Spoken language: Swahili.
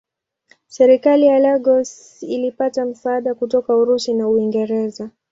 Serikali ya Lagos ilipata msaada kutoka Urusi na Uingereza.